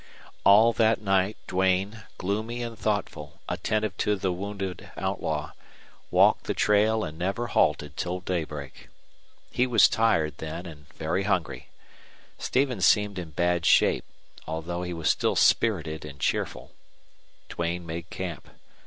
All that night Duane, gloomy and thoughtful, attentive to the wounded outlaw, walked the trail and never halted till daybreak. He was tired then and very hungry. Stevens seemed in bad shape, although he was still spirited and cheerful. Duane made camp.